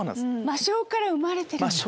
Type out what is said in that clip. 魔性から生まれてるんだ。